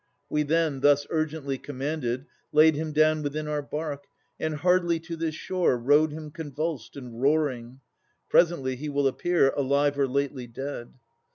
We then, Thus urgently commanded, laid him down Within our bark, and hardly to this shore Rowed him convulsed and roaring. Presently, He will appear, alive or lately dead.